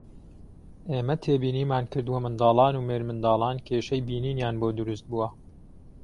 ئێمە تێبینیمان کردووە منداڵان و مێردمنداڵان کێشەی بینینیان بۆ دروستبووە